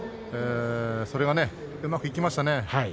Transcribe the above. それがね、うまくいきましたね。